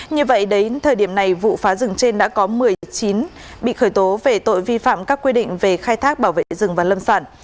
như vậy đến thời điểm này vụ phá rừng trên đã có một mươi chín bị khởi tố về tội vi phạm các quy định về khai thác bảo vệ rừng và lâm sản